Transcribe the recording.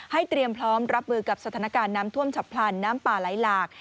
เตรียมพร้อมรับมือกับสถานการณ์น้ำท่วมฉับพลันน้ำป่าไหลหลาก